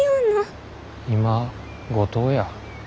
今五島や。